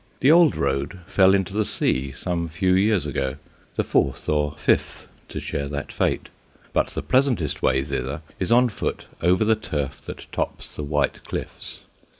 The old road fell into the sea some few years ago the fourth or fifth to share that fate. But the pleasantest way thither is on foot over the turf that tops the white cliffs.